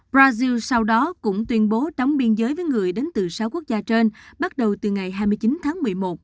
brazil sau đó cũng tuyên bố đóng biên giới với người đến từ sáu quốc gia trên bắt đầu từ ngày hai mươi chín tháng một mươi một